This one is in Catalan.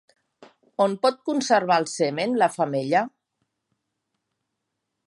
On pot conservar el semen la femella?